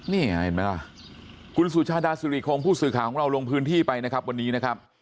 นี่เห็นไหมล่ะคุณสุชาดาสุริคงผู้สื่อข่าวของเราลงพื้นที่ไปนะครับวันนี้นะครับ